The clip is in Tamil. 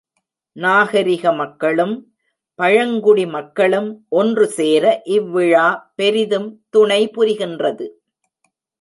நாகரிக மக்களும், பழங்குடி மக்களும் ஒன்றுசேர இவ்விழா பெரிதும் துணைபுரிகின்றது.